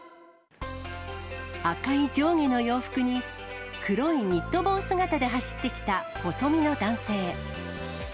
赤い上下の洋服に黒いニット帽姿で走ってきた細身の男性。